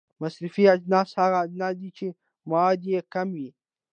مصرفي اجناس هغه اجناس دي چې موده یې کمه وي.